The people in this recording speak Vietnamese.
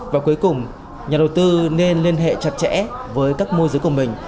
và cuối cùng nhà đầu tư nên liên hệ chặt chẽ với các môi giới của mình